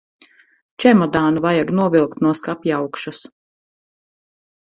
Čemodānu vajag novilkt no skapjaugšas.